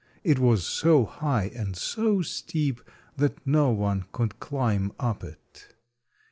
It was so high and so steep that no one could climb up it.